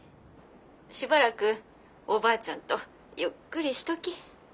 しばらくおばあちゃんとゆっくりしとき。